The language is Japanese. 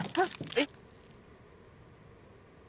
えっ！